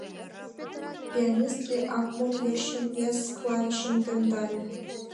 Пианистке ак-мук йӧршын вес клавишым темдале.